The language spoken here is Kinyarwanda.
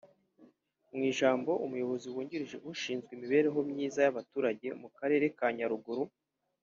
Mu ijambo umuyobozi wungirije ushinzwe imibereho myiza y’abaturage mu karere ka Nyaruguru